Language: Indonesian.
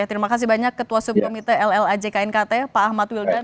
terima kasih banyak ketua subkomite ll aj knkt pak ahmad wildan